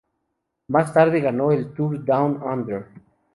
Más tarde ganó el Tour Down Under.